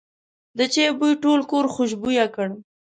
د چای بوی ټول کور خوشبویه کړ.